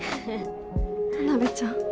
田辺ちゃん。